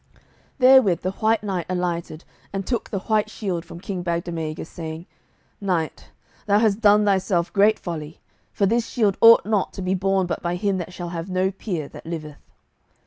Therewith the White Knight alighted and took the white shield from King Bagdemagus, saying, "Knight, thou hast done thyself great folly, for this shield ought not to be borne but by him that shall have no peer that liveth."